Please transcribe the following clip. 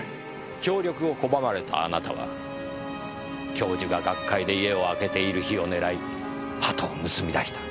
協力を拒まれたあなたは教授が学会で家を空けている日を狙い鳩を盗み出した。